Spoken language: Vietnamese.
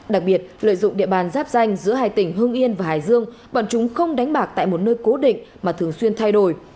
đặc biệt lợi dụng địa bàn giáp danh giữa hai tỉnh hưng yên và hải dương bọn chúng không đánh bạc tại một nơi cố định mà thường xuyên thay đổi